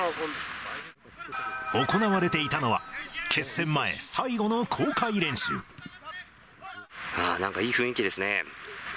行われていたのは、決戦前、なんかいい雰囲気ですね。